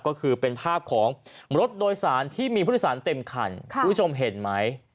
ก็คือเป็นภาพของรถโดยสารที่มีผู้โดยสารเต็มคันคุณผู้ชมเห็นไหม